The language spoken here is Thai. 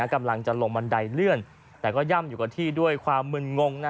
กำลังจะลงบันไดเลื่อนแต่ก็ย่ำอยู่กับที่ด้วยความมึนงง